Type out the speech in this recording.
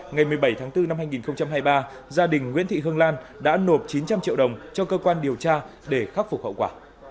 ngày một mươi bảy tháng bốn năm hai nghìn hai mươi ba gia đình nguyễn thị hương lan đã nộp chín trăm linh triệu đồng cho cơ quan điều tra để khắc phục hậu quả